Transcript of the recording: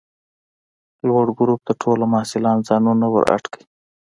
لوړ ګروپ ته ټوله محصلان ځانونه ور اډ کئ!